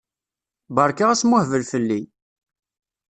Berka asmuhbel fell-i!